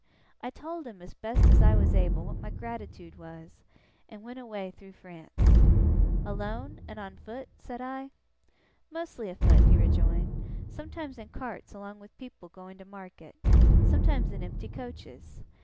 I told him, best as I was able, what my gratitoode was, and went away through France.' 'Alone, and on foot?' said I. 'Mostly a foot,' he rejoined; 'sometimes in carts along with people going to market; sometimes in empty coaches.